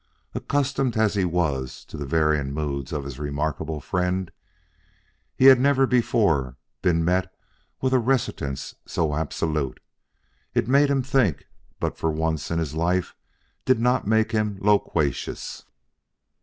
Accustomed as he was to the varying moods of his remarkable friend, he had never before been met with a reticence so absolute. It made him think; but for once in his life did not make him loquacious.